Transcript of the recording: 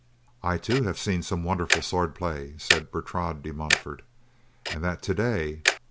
"I, too, have seen some wonderful swordplay," said Bertrade de Montfort, "and that today.